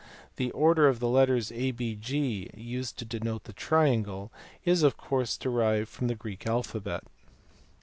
The order of the letters ABG, used to denote the triangle, is of course derived from the Greek alphabet.